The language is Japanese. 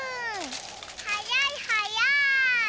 はやいはやい！